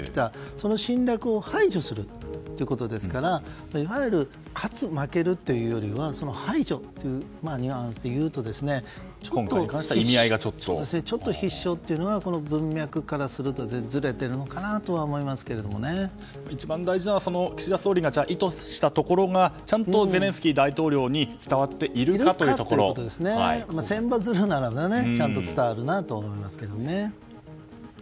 その侵略を排除するということですからいわゆる勝つ、負けるというよりはその排除というニュアンスでいうとちょっと、必勝というのは文脈からするとずれているのかなとは一番大事なのは岸田総理が意図したところがちゃんとゼレンスキー大統領に千羽鶴ならちゃんと伝わると思いますけどね。